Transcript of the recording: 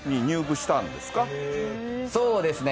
そうですね。